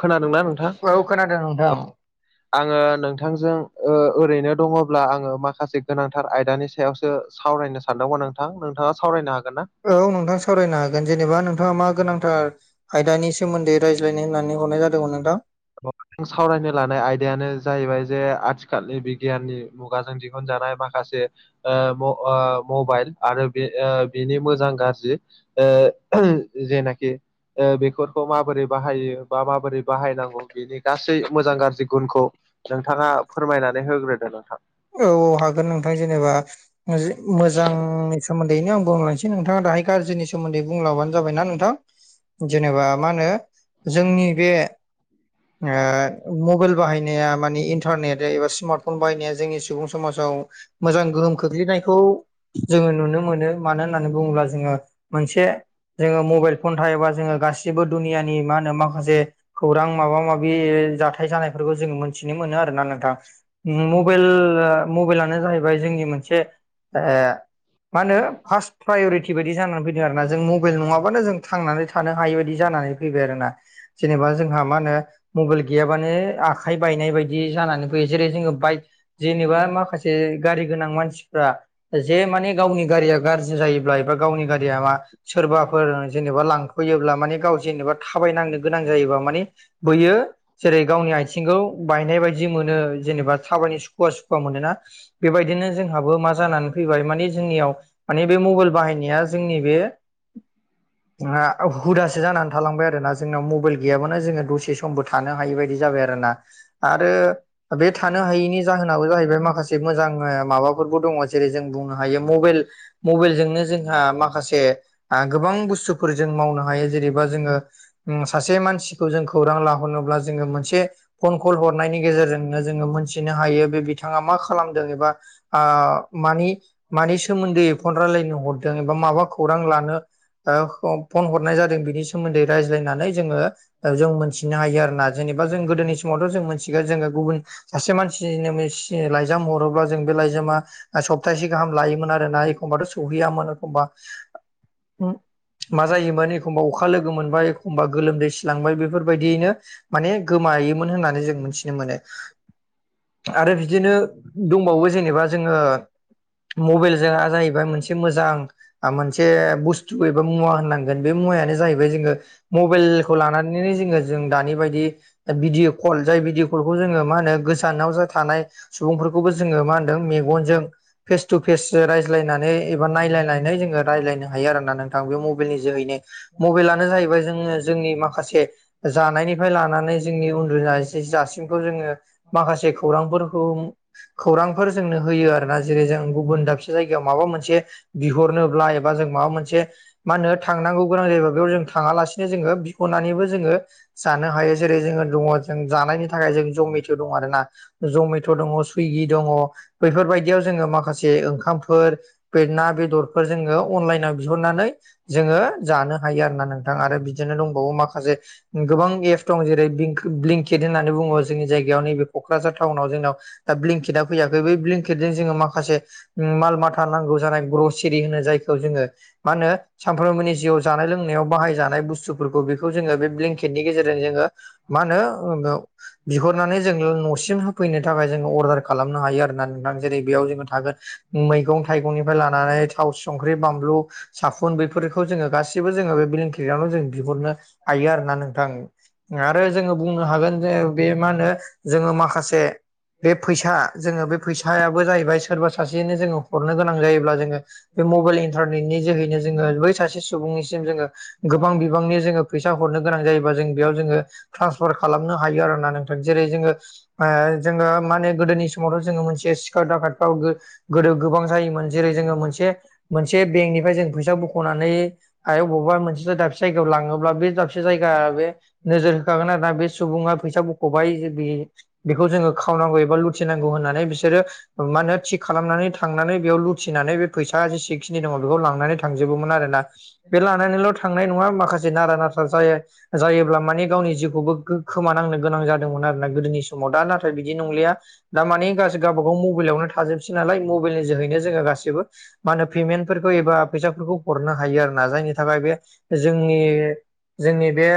खोनादोंना नोंथां औ खोनादों नोंथां। औ। आङो नोंथांजों ओ ओरैनो दङब्ला आङो माखासे गोनांथार आयदानि सायावसो सावरायनो सानदोंबा नोंथां नोंथाङा सावरायनो हागोन ना? औ नोंथां सावरायनो हागोन जेनेबा नोंथाङा मा गोनांथार आयदानि सोमोन्दै रायज्लायनो होननानै हरनाय जादोंमोन नोंथां। [unintelligible] सावरायनो लानाय आयदायानो जाहैबाय जे आथिखालनि बिगियाननि मुगाजों दिहुनजानाय माखासे ओ म ओ मबाइल आरो बे ओ बिनि मोजां गारजि ओ [unintelligible] जेनाखि ओ बेखरखौ माबोरै बाहायो बा माबोरै बाहायनांगौ बिनि गासै मोजां गाज्रि गुनखौ नोंथाङा फोरमायनानै होग्रोदो नोंथां। औ औ हागोन नोंथां जेनेबा मोज मोजांनि सोमोन्दैनो आं बुंलांसै नोंथाङा दाहाय गाज्रिनि सोमोन्दै बुंलांबानो जाबायना नोंथां जेनेबा मा होनो जोंनि बे ओ मबाइल बाहायनाया मानि इनट टारनेट एबा स्मार्टफन बाहायनाया जोंनि सुबुं समाजाव मोजां गोहोम खोख्लैनायखौ जोङो नुनो मोनो मानो होननानै बुङोब्ला जोङो मोनसे जोङो मबाइल फन थायबा जोङो गासिबो दुनियानि मा होनो माखासे खौरां माबा माबि जाथाय जानायफोरखौ जोङो मोनथिनो मोनो आरोना नोंथां। मबाइल मबाइलानो जाहैबाय जोंनि मोनसे [unintelligible] मा होनो फार्स्ट प्रायरिटि बायदि बिदि जाना फैदों आरो ना जों मबेल नङाबानो जों थांनानै थानो हायि बायदि जानानै फैबाय आरो ना जेनेबा जोंहा मा होनो मबेल गियाबानो आखाइ बायनाय बायदि जानानै फैयो जेरै जोङो बाइक जेनेबा माखासे ए गारि गोनां मानसिफ्रा जे माने गावनि गारिया गाज्रि जायोब्ला एबा गावनि गारिया मा सोरबाफोर जेनेबा लांफैयोब्ला माने गाव जेनेबा थाबायनांनो गोनां जायोबा मानि बैयो जेरै गावनि आइथिंखौ बायनाय बायदि मोनो जेनेबा थाबायनो स खुया सुखुया मोनोना बेबायदिनो जों हाबो मा जानानै फैबाय माने जोंनियाव माने बे मबाइल बाहायनाया जोंनि बे [inaudible] [unintelligible] हुदासो जानानै थालांबाय आरोना जोंनाव मबेल गैयाबानो जोङो दसे समबो थानो हायि बायदि जाबाय आरोना आरो बे थानो हायिनि जाहोनाबो जाहैबाय माखासे मोजां माबाफोरबो दङ जेरै जों बुंनो हायो मबेल मबेलजोंनो जोंहा माखासे आ गोबां बुस्थुफोर जों मावनो हायो जेनेबा जोङो उम सासे मानसिखौ जों खौरां लाहरनोब्ला जोङो मोनसे फन कल हरनायनि गेजेरजोंनो जोङो मोनथिनो हायो बे बिथाङा मा खालामदों एबा आ मानि मानि सोमोन्दै फन रायलायनो हरदों एबा माबा खौरां लानो ओ ह फन हरनाय जादों बिनि सोमोन्दै रायज्लायनानै जोङो ओ जों मोनथिनो हायो आरोना। जेनेबा जों गोदोनि समावथ' जों मिथिगोन जोङो गुबुन सासे मान [unintelligible] लाइजाम हरोब्ला जों बे लाइजामा सप्तासे गाहाम लायोमोन आरोना एख खमबाथ' सौहैयामोन एखमबा मा जायोमोन एखमबा अखा लोगो मोनबाय एखमबा गोलोमदै सिलांबाय बेफोरबायदियैनो माने गोमायोमोन होननानै जों मोनथिनो मोनो आरो बिदिनो दंबावो जेनेबा जोङो मबेलजोंआ जाहैबाय मोनसे मोजां आ मोनसे बुस्थु एबा मुवा होननांगोन बे मुवायानो जाहैबाय जोङो मबेल ख खौ लानानैनो जोङो जों दानि बायदि भिडिअ कल जाय भिडिअ कलखौ जोङो मा होनो गोस थानाव जो थानाय सुबुंफोरखौबो जोङो मा होनदों मेगनजों फेसथु फेस सो रायज जलायनानै एबा नायलायनानै जोङो रायलायनो हायो आरोना नोंथां बे मबेलनि जोहै नो मबेला नो जाहैबाय जोङो जोंनि माखासे जानायनिफ्राय लानानै जोंनि उन्दुनाय जे जासिमखौ जोङो माखासे खौरांफोरखौ खौरांफोर जोंनो होयो आरो ना। जेरै जों गुबुन दाबसे जायगायाव माबा मोनसे बिहरनोब्ला एबा जों माबा मोनसे मा होनो थांनांगौ गोनां जायोबा बेयाव जों थांङालासिनो जोंङो बिख'नानैबो जोंङो जानो हायो जेरै जोङो दङ' जों जानायनि थाखाय जों जमिद दं आरोना। जमेट' दङ' सुइगि दङ' बैफोरबायदियाव जोङो माखासे ओंखामफोर बे ना बेदरफोर जोङो अनलाइनाव बिहरनानै जोङो जानो हायो आरो ना नों थां। आरो बिदिनो दंबावो माखासे गोबां एपस दं जेरै बिंक ब्लिंकेट होननानै बुङो जोंनि जायगायाव नैबे क'क्राझार टाउनाव जोंनाव। दा ब्लिंकेटआ फैयाखै बै ब्लेंकेटजों जोंङो माखासे माल माथा नांगौ जानाय ब्रसेेरि होनो जायखौ जोंङो। मा होनो सानफ्रोमबोनि जिउआव जानाय लोंनायाव बाहाय जानाय बुस्थु फोरखौ बेखौ जोङो बे ब्लेंकेटनि गेजेरजों जोङो मा होनो ओ बिहरनानै जों न'सिम होफैनो थाखाय जोंङो अर्डार खालामनो हायो आरोना नोंथां। जेरै बेयाव जोङो थागोन मैगं थाइगंनिफ्राय लानानै थाव, संख्रि, बानलु साफुन बेफोरखौ जोङो गासिबो जोङो बे ब्लिंकिटयावनो जों बिहरनो हायो आरोना नोंथां आरो जोङो बुंनो हागोन जे मा होनो जोङो माखासे बे फैसा जोङो बे फैसायाबो जाहैबाय सोरबा सासे नो जोंङो हरनो गोनां जायोब्ला जोङो बे मबेइल इन न्टारनेटनि जोहैनो जोंङो बै सासे सुबुंनिसिम जोंङो गोबां बिबांनि जोङो फैसा हरनो गोनां जायोबा जों बेयाव जोङो ट्रान्सफार खालामनो ह हायो आरो ना नोंथां। जेरै जोङो ओ जोङो माने गोदोनि समावथ' जोङो मोनथि जे सिखाद दाखादफ्राव गो-गोदो गोबां जायोमोन। जेरै जोङो मोनसे मोनसे बेंकनिफाय जों फैसा बख'नानै हायाव बबेबा मोनसे दाबसे जायगायाव लाङोब्ला बे दाबसे जायगाया बे नोजोर होखागोन आरो ना बे सुबुङा फैसा बख'बाय जुदि बेखौ जोङो खावनांगौ एबा लुथिनांगौ होननानै बिसोरो मा होनो थिग खालामनानै थांनानै बेयाव लुथिनानै बे फैसा जेसेखिनि दङ' बेखौ लांनानै थ थांजोबोमोन आरोना। बे लानानैल' थांनाय नङा माखासे नारा नाथा जायो। जायोब्ला माने गावनि जिउखौबो गो खोमानांनो गोनां जा दोंमोन आरोना गोदोनि समाव। दा नाथाय बिदि नंलिया दा मानि गास गाबागाव मबेइलावनो थाजोबसै नालाय मबेइलनि जोहैनो जोङो गासिबो मा होनो पेमेन्टफोरखौ एबा फैसाफोरखौ हरनो हायो आरो ना जायनि थाखाय बे जोंनि जोंनि बे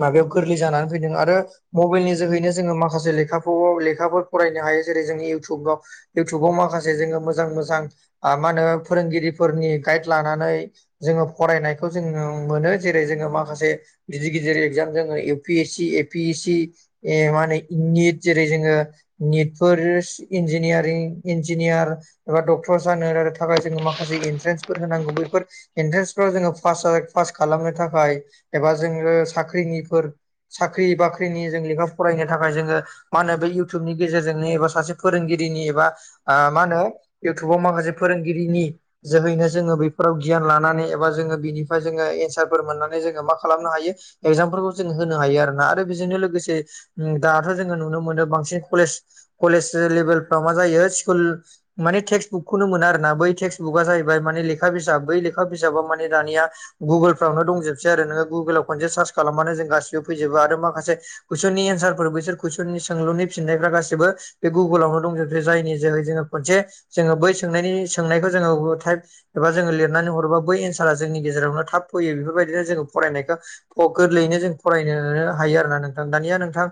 माबायाव गोरलै जानानै फैदों। आरो मबेइलनि जोहैनो जोंङो माखासे लेखाखौ लेखाफोर फरायनो हायो। जेरै जों इयउटुबाव इउटुबाव माखासे जोङो मोजां मोजां आ मा होनो फोरोंगिरिफोरनि गाइड लानानै जोङो फरायनाय खौ जोङो मोनो जेरै जोङो माखासे गिदिर गिदिर एगजाम जोङो U P S C A P S C ए मा होनो निट जेरै जोङो निटफोर इन्जिनियारिं, इन्जिनियार एबा डक्टर जानो [unintelligible] थाखाय जोङो माखासे एन्ट्रेन्सफोर होनांगौ बैफोर एन्ट्रेन्सफोराव जोंङो पासा पास खालामनो थाखाय एबा जोङो साख्रिनिफोर साख्रि बाख्रिनि जों लेखा फरायनो थाखाय जोङो मा होनो बै इउटुबनि गेजेरजोंनो एबा सासे फोरोंगिरिनि एबा आ मा होनो इउटुबाव माखासे फोरोंगिरिनि जोहैनो जोङो बेफोराव गियान लानानै एबा जोङो बिनिफ्राय जोङो एन्सारफोर मोननानै जोङो मा खालामनो हायो एक्जामफोरखौ जों होनो हायो आरो ना। आरो बेजोंनो लोगोसे ओम दाथ' जोङो नुनो मोनो बांसिन कलेज कलेज लेभेल फ्राव मा जायो स्कुल माने टेक्सट बुकखौनो मोना आरो ना बै टेक्स्ट बुकआ जाहैबाय माने लेखा बिजाब बै लेखा बिजाबा माने दानिया गुगोलफ्रावनो दंजोबसै आरो नोङो गुगोलाव खनसे सार्च खालामबानो जों गासिबो फैजोबो आरो माखासे कुइसननि एन्सारफोर बैसोर कुइसननि सोंलुनि फिननायफ्रा गासिबो बे गुगोलावनो दंजोबो। जायनि जोहै जोंङो खनसे जोंङो बै सोंनायनि सोंनायखौ जोंङो टाइप एबा जोंङो लिरनानै हरोबा बै एन्सारा जोंनि गेजेरावनो थाब फैयो। बेफोरबायदिनो जोंङो फरायनायखौ ख गोरलैयैनो जों फरायनोनो हायो आरोना नोंथां दानिया नोंथां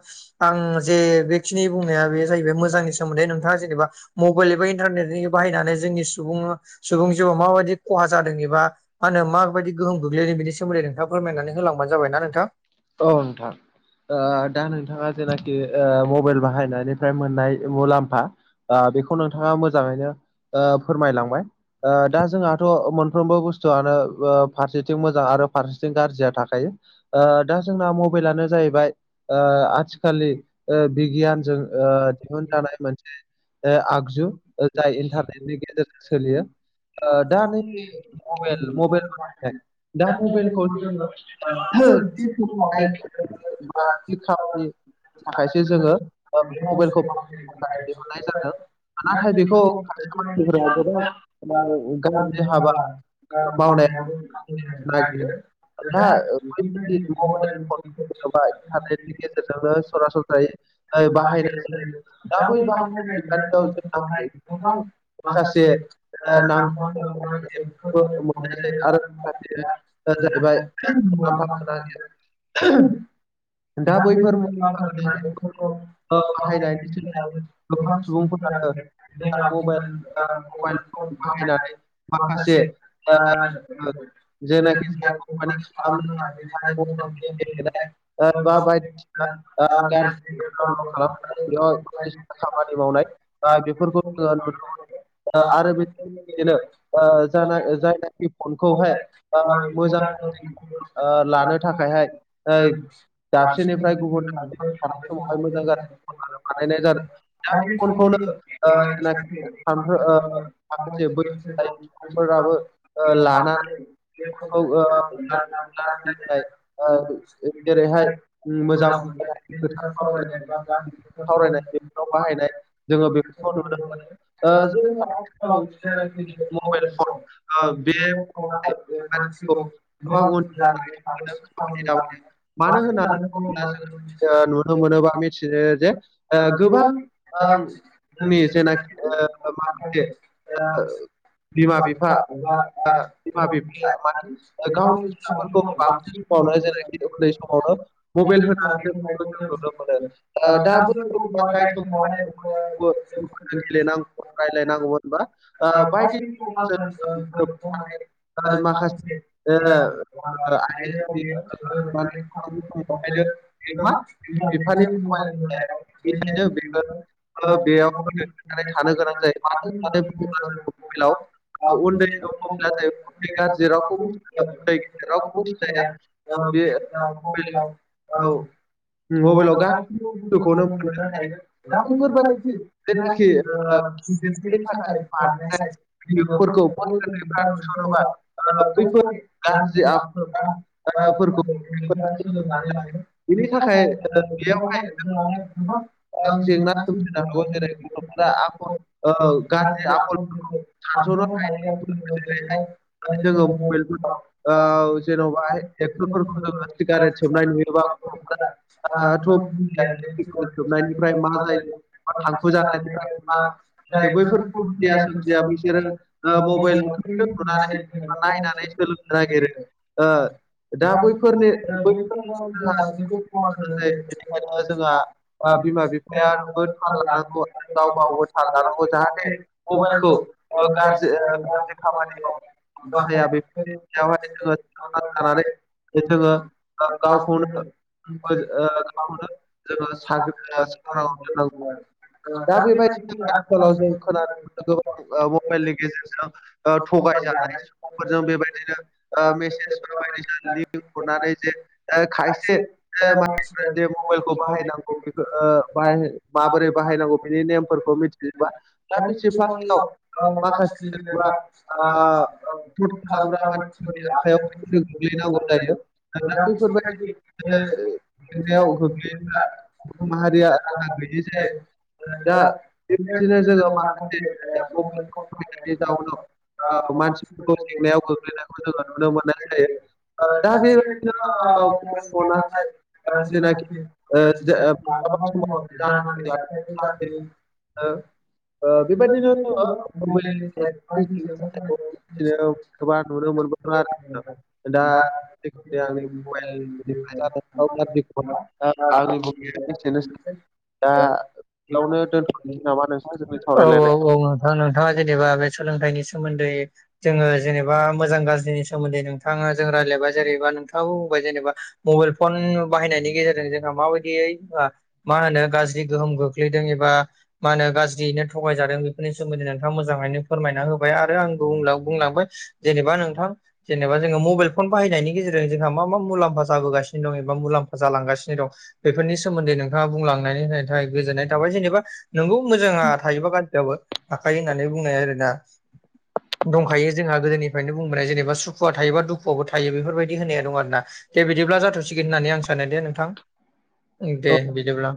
आं जे बे सिनि बुंनाया बे जाहैबाय मोजांनि सोमोनदै नोंथाङा जेनेबा मबाइल एबा इन्टारनेटनि बाहायनानै जोंनि सुबुं सुबुं जिउआव माबायदि खहा जांदों एबा मा होनो माबायदि गोहोम गोग्लैदों बिनि सोमोन्दै नोंथाङा फोरमायनानै होलांबानो जाबाय ना नोंथां। औ नोंथां। ओ दा नोंथाङा जेनाखि मबाइल बाहायनानै फ्राय मोननाय मुलाम्फा ओ बेखौ नोंथांङा मोजांङैनो ओ फोरमायलांबाय। ओ दा जोंहाथ' मोनफ्रोमबो बुस्थुआनो ओ फारसेथिं मोजां आरो फारसेथिं गाज्रिया थाखायो। ओ दा जोंना मबाइलानो जाहैबाय ओ आथिखलि ओ बिगियानजों ओ दिहुनजानाय मोनसे ओ आगजु। ओ जाय इन्टारनेटनि गेजेरजों सोलियो। ओ दा नै मबाइल मबाइल दा मबाइलखौ [unintelligible] जों थि समावहाय बा थि खामानि [unintelligible] [unintelligible] थाखायसो जोङो ओ बे मबाइलखौ बाहायनो दिहुननाय जादों नाथाय बेखौ मानसिफोरा गोबां माने दा गाज्रि दिनैथ' हाबा [unintelligible] दा मावनायाबो बिथांमोनखौ नायगिरो। नोंथाङा ओ इन्टारनेटनि [unintelligible] गेजेरजोंनो सरासनस्रायै [unintelligible] ओ बाहायनाय माखासे दा बै बाहायनाय बिखान्थियाव जोंहा ओ [unintelligible] माखासे ओ माखासेै नांगौ मोननाय जायो बेफोरबायदिनो आरो माखासे माखासेया ओ जाहैबाय ओ मुलाम्फा [inaudible] बिथांनि दा नामफोरखौ बैफोर मुलाम्फा नायनानै सनफोरखौ गोनां बाहायनायनि सोलायै बाह गोबां सुबुंफोरानो गोबां मबाइल मबाइल फन [unintelligible] बाहायनानै माखासे ओ ओ जि जेनाखि जाया सायख'नानै कमफानि खालामनानै खालामनो सायख' मानि खालामनो हायो। गेलेनाय लाजिबांसिन ओ बा [unintelligible] बायदिसिना ओ गाज्रि गारजि डाउनलड खालामनानै बेयाव बायदिसिना खामानि मावनाय बा बेफोरखौ जोंङो नुनो मोनो। ओ आरो बे बेनो ओ जा जायनाखि फनखौहाय ओ जोंना थ' ओ लानो थाखायहाय ओइ [unintelligible] दाबसेनिफ्राय गासिनिफ्राय गुबुन बियो दाबसेयाव लाजोबबाय। थानाय फाय समावहाय जोंहा मोजां गाज्रि बानायनाय जेरैहाय जादों दा बे सम फनखौनो फैगोन ओ जेनाखि सानफ्रो ओ माखासे बै जाय सुबुंफोराबो ओ लानानै बेखौ ओ लानानै लोंनाय ओ जेरैहाय उम मोजां मोनलायनाय गोथार [unintelligible] [unintelligible] सावरायनाय सावरायनो बा गासैखौबो सावरायनाय सावरायनानै बेफोराव बेखौ बाहायनाय बाहायनो जोङो बेफोरखौ नुनो मोनो। ओ दा जों जोंहाना ओन्सोलाव जायनाखि गिदिर मबाइल मावनानै फन दं। ओ ओग बे ज फराफारिफोर मानसिखौ देरनांसिगौ गोबां जानानै थाबोजेन थाउननि मानो होननानै दामानो बुङोब्ला जोङो ओ [unintelligible] नुनो मोनोबा मिथियो जे ओ गोबांनि ओ नि जेनाखि ओ माखासे [unintelligible] बिमा बिफा बिमा-बिफा एबा ओ [unintelligible] बिमा बिफाया माने गावनि फिसाफोरखौ बांसिन समावनो जेनाखि उन्दै समावनो मबाइल होनानै दोननायखौ जों [unintelligible] [unintelligible] नुनो मोनो बा ओ दा बै गथ'आ जाय समावहाय गेलेनांगौमोन रायलायनांगौमोन बा ओ बायदि बिथिङाव [unintelligible] फ्राम मा मोस्लिथ माखासे इयो ओ गोबाङा आयदायाव आइडेन्टि बियो गोसो माने गोरोबनानै थानोबो समावहायनो बियो मा बिमा बिफानि [unintelligible] [unintelligible] मबाइल बिनिखायनो [unintelligible] बे ओ बेयाव गोदोसोनानै थानो गोनां जायो मानो होननानै बुङोब्ला जों मबाइलाव उन्दै दङब्ला जों उन्दै गाज्रि रावखौबो सिनाया उन्दै गेदेर रावखौबो सिनाया सोलाया बे ओ मबाइलाव मबाइलाव मबाइलाव गासिबो गासैखौनो बुस्थखौनो मोनदों मोननो हायो दा बैफोरबायदि बैफोरबादि जेनाखि बेनि थाखाय बानायनाय बेफोरखौ बै उन्दैफ्रा नुसनोबा ओ [unintelligible] ओ बैफोर गाज्रि होमबाना आखलफोरखौ बयबो [unintelligible] बिनि थाखाय ओ बेयावहाय बेयावहाय जोंहाय जेंना सोमजिनो हागौ गोबां जेरै गथ'फोरा [unintelligible] औ आखल ओ दा गाज्रि बे आखलफोरखौ सानसनो हायैयाव [unintelligible] हायै जोङो मबाइलफोराव ओ जेन'बा एक्टरफोरखौ जोङो सिगारेट सोबनाय नुयोबा गथ'फोराथ' सोबनायनिफ्राय मा जायो बा थांखु जानायनिफ्राय मा [unintelligible] [unintelligible] [unintelligible] [unintelligible] जायो बैफोर खुदिया सोमजिया बिसोरो ओ मबाइलखौनो नुनानै बा नायनानै सोलोंनो नागिरो ओ दा बैफोरनि बे बैफोर समाव जोंहा जायो जेटु बेनिखायनो जोंहा [unintelligible] ओ बिमा बिफायाबो थाल [unintelligible] लानांगौ आरो गाव गावबो थाल लानांगौ जाहाथे मबाइलखौ मबाइलखौ ओ गाज्रि ओ गासिबो गाज्रि खामानियाव बाहाया बे बाहाया बेयावहाय जोङो सानना लानानै [unintelligible] जोङो ओ गावखौनो [unintelligible] ओ गावखौनो जेनबा साख्रि [unintelligible] दा बेबायदिनो आथिखालाव जों खोनानो मोनदों मबाइलनि गेजेरजों ओ थगायजानाय सुबुंफोरजों बेबायदि। बिदिनो ओ मेसेज बायदिसिना लिंक हरनानै जे खायसे मानसि जे मबाइलखौ बाहायनांगौ बे ओ माबोरै बाहायनांगौ बेनि नेमफोरखौ मिथि दा बेसे [unintelligible] माखासे जेनेबा [unintelligible] [unintelligible] गोग्लैनांगौ जायो दा बैफोरबायदि जोङो जेंनायाव गोग्लैयोब्ला माहारिया राहा गैयै जायो। दा बेबायदिनो जोङो माखासे [unintelligible] जाउनाव ओ मानसिफोरखौ जेंनायाव गो गोग्लैनायखौ जोङो नुनो मोननाय जायो दा बेबायदिनो [unintelligible] जेनाखि ओ [unintelligible] हो? ओ बेबायदिनो जोङो मबाइल [unintelligible] गोबां नुनो मोनदों आरो दा जायखिया बे मबाइलनिफ्राय जादों [unintelligible] औ औ औ। नामा नोंथां जोंनि सावरायलायनाय [unintelligible] नोंथाङा जेनेबा बे सोलोंथाइनि सोमोन्दै जोङो जेनेबा मोजां गाज्रिनि सोमोन्दै नोंथाङा जों रायज्लायबाय जेरैबा नोंथाङाबो बुंबाय जेनेबा मबाइल फन बाहायनायनि गेजेरजों जोंहा माबायदियै मा होनो गाज्रि गोहोम गो गोलैदों एबा मा होनो गाज्रियैनो थ गाय जादों बेफोरनि सोमोन्दै नोंथाङा मोजाङैनो फोरमायना होबाय आरो आंबो उनाव बुंलांबाय जेनेबा नोंथां जेनेबा जोङो मबाइल फन बाहायनायनि गेजेरजों जोंहा मा मा मुलाम्फा जाबोगासिनो दं एबा मुलाम्फा जालांगासिनो दं बेफोरनि सोमोन्दै नोंथाङा बुंलांनानै होनो थाखाय गोजोननाय थाबाय जेनेबा नोंगौ मोजाङा थायोबा गाज्रियाबो थाखायो होननानै बुंनाय आरोना। दंखायो जोंहा गोदोनिफ्रायनो। जेबा सुखुवा थायोबा दुखुवाबो थायो बेफोरबायदि होननाय दं आरोना दे बिदिब्ला जाथ' बे आं साननाय दे नोंथां दे बिदिब्ला।